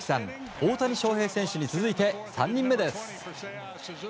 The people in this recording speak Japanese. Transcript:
大谷翔平選手に続いて３人目です。